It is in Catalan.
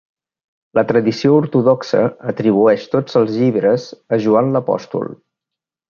La tradició ortodoxa atribueix tots els llibres a Joan l'Apòstol.